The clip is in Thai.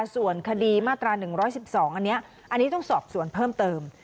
ส่วนคดีมาตรา๑๑๒อันนี้อันนี้ต้องสอบส่วนเพิ่มเติม